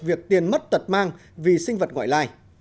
việc tiền mất tật mang vì sinh vật ngoại lai